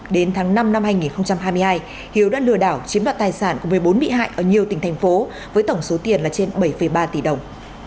đến tháng năm năm hai nghìn hai mươi hai hiếu đã lừa đảo chiếm đoạt tài sản của một mươi bốn bị hại ở nhiều tỉnh thành phố với tổng số tiền là trên bảy ba tỷ đồng